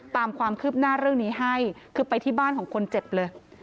ตามความคืบหน้าเรื่องนี้ให้คือไปที่บ้านของคนเจ็บเลย